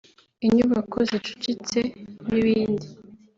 inyubako zicucitse n’ibindi